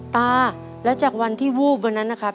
ตาแล้วจากวันที่วูบวันนั้นนะครับ